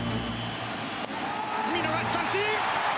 見逃し三振。